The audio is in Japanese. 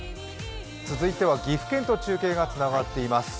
続いては岐阜県と中継がつながっています。